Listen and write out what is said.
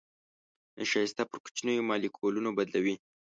نشایسته پر کوچنيو مالیکولونو بدلوي.